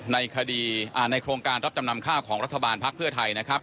ในคดีในโครงการรับจำนำข้าวของรัฐบาลภักดิ์เพื่อไทยนะครับ